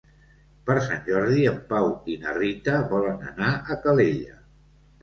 Per Sant Jordi en Pau i na Rita volen anar a Calella.